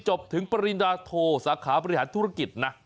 จบถึงปริณาโทสาขาบริหารธุรกิจนะ